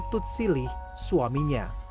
ketut silih suaminya